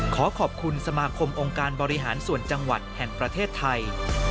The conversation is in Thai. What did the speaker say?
ขอขอบคุณสมาคมองค์การบริหารส่วนจังหวัดแห่งประเทศไทย